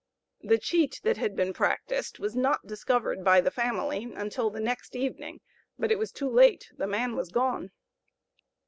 The cheat that had been practised was not discovered by the family until next evening; but it was too late, the man was gone.